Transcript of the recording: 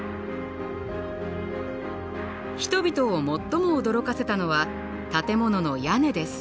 人々を最も驚かせたのは建物の屋根です。